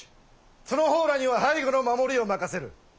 その方らには背後の守りを任せる。